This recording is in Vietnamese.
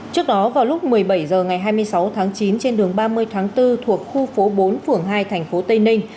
trước đó vào lúc một mươi bảy h ngày hai mươi sáu tháng chín trên đường ba mươi tháng bốn thuộc khu phố bốn phường hai thành phố tây ninh